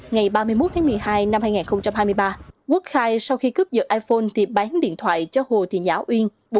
ngày ba mươi một một mươi hai hai nghìn hai mươi ba quốc khai sau khi cướp giật iphone thì bán điện thoại cho hồ thị nhã uyên